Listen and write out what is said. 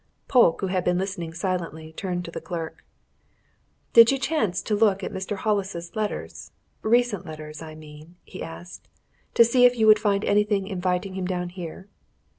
Polke, who had been listening silently, turned to the clerk. "Did you chance to look at Mr. Hollis's letters recent letters, I mean " he asked, "to see if you would find anything inviting him down here?"